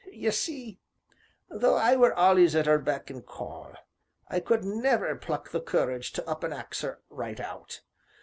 Ye see, though I were allus at 'er beck an' call, I could never pluck the courage to up an' ax 'er right out.